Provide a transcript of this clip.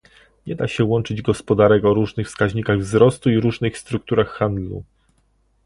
Nie da się łączyć gospodarek o różnych wskaźnikach wzrostu i różnych strukturach handlu